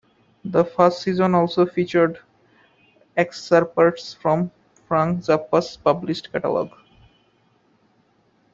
The first season also featured excerpts from Frank Zappa's published catalog.